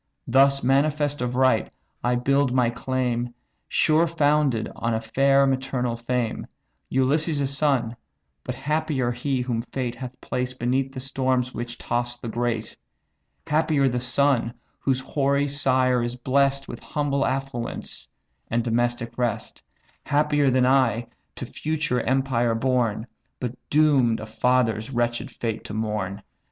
Thus manifest of right, I build my claim Sure founded on a fair maternal fame, Ulysses' son: but happier he, whom fate Hath placed beneath the storms which toss the great! Happier the son, whose hoary sire is bless'd With humble affluence, and domestic rest! Happier than I, to future empire born, But doom'd a father's wretch'd fate to mourn!"